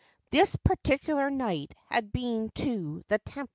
This particular knight had been to the temple to pray.